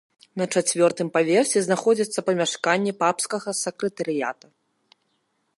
На чацвёртым паверсе знаходзяцца памяшканні папскага сакратарыята.